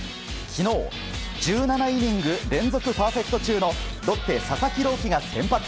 昨日、１７イニング連続パーフェクト中のロッテ、佐々木朗希が先発。